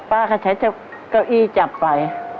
ป้าก็ใช้เก้าอี้จับไป